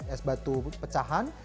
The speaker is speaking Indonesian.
es batu pecahan